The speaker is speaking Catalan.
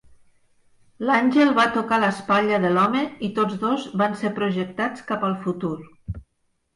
L'àngel va tocar l'espatlla de l'home, i tots dos van ser projectats cap al futur.